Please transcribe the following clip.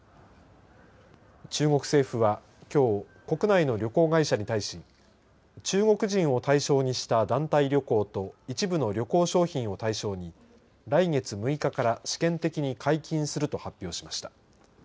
中国政府はきょう国内の旅行会社に対し中国人を対象にした団体旅行と一部の旅行商品を対象に来月６日から試験的に解禁すると発表しました。